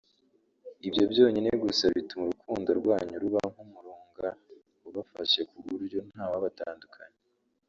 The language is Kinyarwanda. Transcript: ibyo byonyine gusa bituma urukundo rwanyu ruba nk’umurunga ubafashe kuburyo nta wabatandukanya